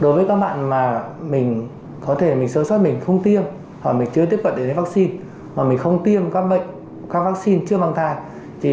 đối với các bạn mà mình có thể sớm sớm mình không tiêm hoặc mình chưa tiếp cận đến vaccine mà mình không tiêm các vaccine trước mang thai